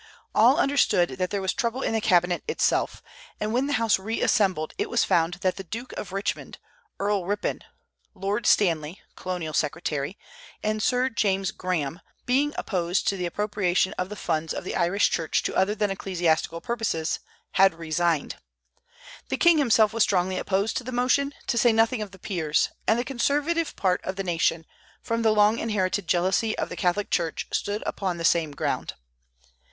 All understood that there was trouble in the cabinet itself; and when the House reassembled, it was found that the Duke of Richmond, Earl Ripon, Lord Stanley (colonial secretary), and Sir James Graham, being opposed to the appropriation of the funds of the Irish Church to other than ecclesiastical purposes, had resigned. The king himself was strongly opposed to the motion, to say nothing of the peers; and the conservative part of the nation, from the long inherited jealousy of the Catholic Church, stood upon the same ground.